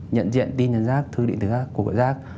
nhận diện tin nhắn giác thư định thức giác của quốc giác